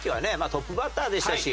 トップバッターでしたし。